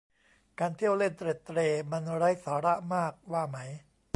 การเที่ยวเล่นเตร็ดเตร่มันไร้สาระมากว่าไหม